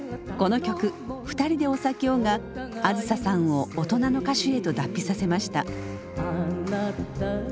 この曲「二人でお酒を」が梓さんを大人の歌手へと脱皮させました。